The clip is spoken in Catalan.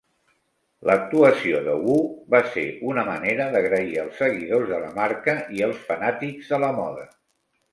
L'actuació de Wu va ser una manera d'agrair als seguidors de la marca i els fanàtics de la moda.